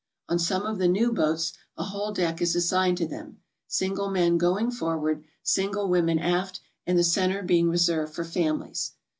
On some of the new boats a whole deck is assigned to them, single men going forward, single women aft, and the centre being reserved for families.